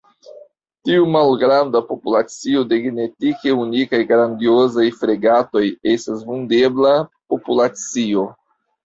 Tiu malgranda populacio de genetike unikaj Grandiozaj fregatoj estas vundebla populacio.